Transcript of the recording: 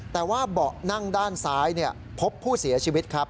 แต่ว่าเบาะนั่งด้านซ้ายพบผู้เสียชีวิตครับ